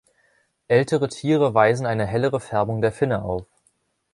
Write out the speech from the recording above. Ältere Tiere weisen eine hellere Färbung der Finne auf.